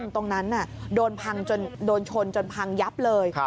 ตรงนั้นโดนชนจนพังยับเลย